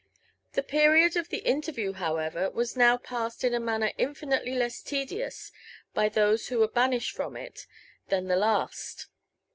The period of the interview, however, was now passed in a manner infinitely less tedious by those who were banished from it than the last.